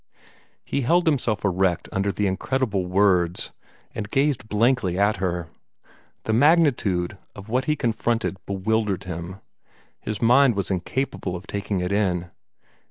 He held himself erect under the incredible words, and gazed blankly at her. The magnitude of what he confronted bewildered him; his mind was incapable of taking it in.